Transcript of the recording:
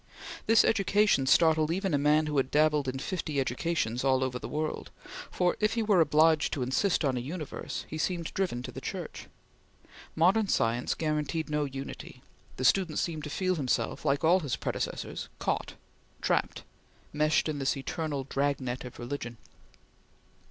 This education startled even a man who had dabbled in fifty educations all over the world; for, if he were obliged to insist on a Universe, he seemed driven to the Church. Modern science guaranteed no unity. The student seemed to feel himself, like all his predecessors, caught, trapped, meshed in this eternal drag net of religion.